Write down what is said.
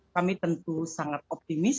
kami tentu sangat optimis